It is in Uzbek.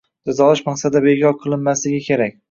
jazolash maqsadida bekor qilinmasligi kerak.